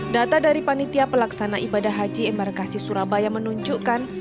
data dari panitia pelaksana ibadah haji embarkasi surabaya menunjukkan